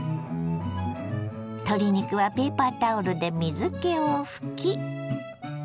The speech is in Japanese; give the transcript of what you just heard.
鶏肉はペーパータオルで水けを拭き。